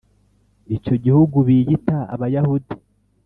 icyo gihugu biyita Abayahudi